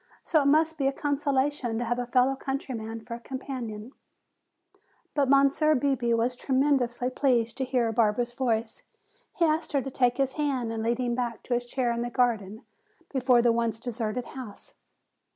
"So it must be a consolation to have a fellow countryman for a companion." But Monsieur Bebé was tremendously pleased to hear Barbara's voice. He asked her to take his hand and lead him back to his chair in the garden before the once deserted house.